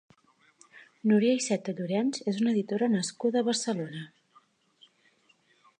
Núria Iceta Llorens és una editora nascuda a Barcelona.